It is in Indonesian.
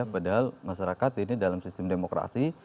padahal masyarakat ini dalam sistem demokrasi